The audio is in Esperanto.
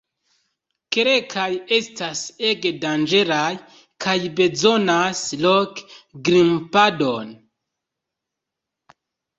Kelkaj estas ege danĝeraj kaj bezonas rok-grimpadon.